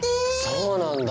そうなんだ！